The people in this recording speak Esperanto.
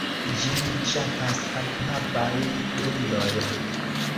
Ĝi ne ŝatas kalkhavajn grundojn.